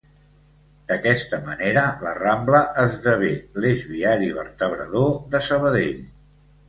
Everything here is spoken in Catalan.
D'aquesta manera la Rambla esdevé l'eix viari vertebrador de Sabadell.